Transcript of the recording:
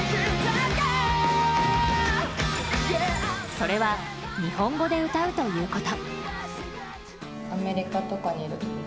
それは日本語で歌うということ。